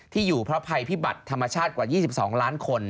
อยู่เพราะภัยพิบัติธรรมชาติกว่า๒๒ล้านคน